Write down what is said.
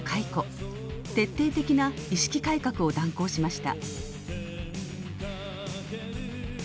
徹底的な意識改革を断行しました。